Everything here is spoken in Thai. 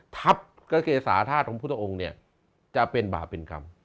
ทัพกระเกษาธาตุของพุทธองค์เนี่ยจะเป็นบาปเป็นกรรม